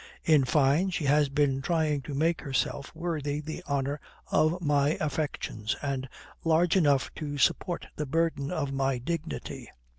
In fine, she has been trying to make herself worthy the honour of my affections and large enough to support the burden of my dignity.